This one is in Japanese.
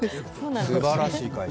すばらしい会社。